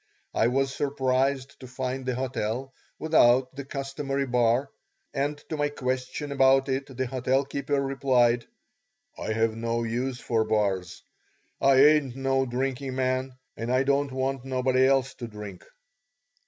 I was surprised to find the hotel without the customary bar, and to my question about it the hotel keeper replied, "I have no use for bars; I ain't no drinking man and I don't want nobody else to drink."